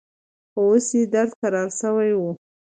خو اوس يې درد کرار سوى و.